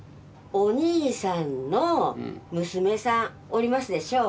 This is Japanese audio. お兄さんの娘さんおりますでしょ。